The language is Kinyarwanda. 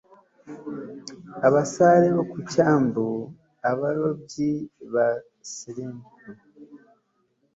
abasare bo ku cyambu, abarobyi ba shrimp